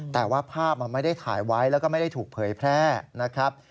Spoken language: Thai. แต่ว่าภาพมันไม่ได้ถ่ายไว้แล้วก็ไม่ได้ถูกเผยแพร่นะครับ